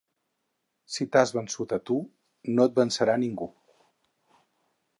Si t'has vençut a tu, no et vencerà ningú.